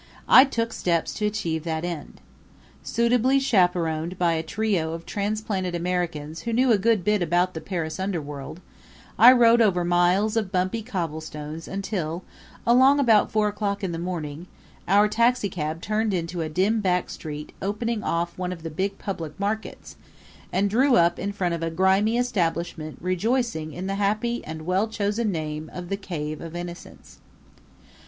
I took steps to achieve that end. Suitably chaperoned by a trio of transplanted Americans who knew a good bit about the Paris underworld I rode over miles of bumpy cobblestones until, along about four o'clock in the morning, our taxicab turned into a dim back street opening off one of the big public markets and drew up in front of a grimy establishment rejoicing in the happy and well chosen name of the Cave of the Innocents.